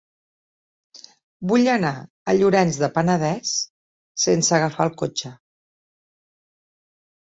Vull anar a Llorenç del Penedès sense agafar el cotxe.